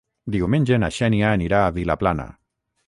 Diumenge na Xènia anirà a Vilaplana.